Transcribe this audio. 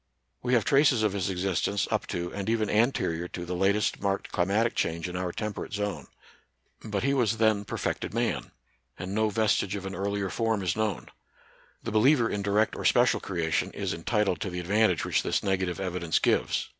We have traces of his existence up to and even anterior to the latest marked climatic change in our temperate zone : but he was then perfected man ; and no vestige of an earlier form is known. The be liever in direct or special creation is entitled to the advantage which this negative evidence gives.